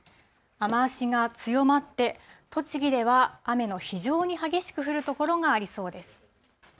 雨足が強まって、栃木では雨の非常に激しく降る所がありそうです。